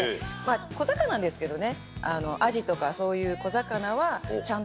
小魚ですけどね。